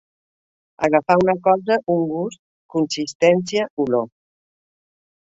Agafar una cosa un gust, consistència, olor.